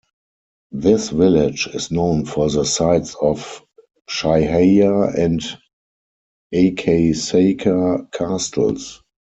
This village is known for the sites of Chihaya and Akasaka Castles.